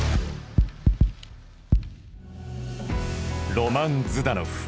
ロマン・ズダノフ。